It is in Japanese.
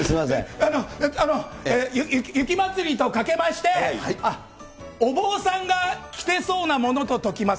あの、あの、雪まつりとかけまして、お坊さんが着てそうなものと解きます。